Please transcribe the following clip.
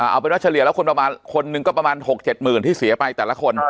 เอาเป็นว่าเฉลี่ยแล้วคนประมาณคนหนึ่งก็ประมาณ๖๗หมื่นที่เสียไปแต่ละคน